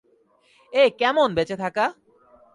এ কেমন বেঁচে থাকা!